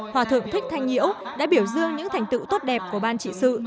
hòa thượng thích thanh nhiễu đã biểu dương những thành tựu tốt đẹp của ban trị sự